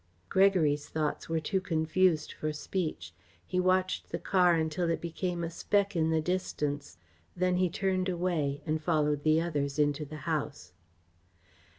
Gregory's thoughts were too confused for speech. He watched the car until it became a speck in the distance. Then he turned away and followed the others into the house.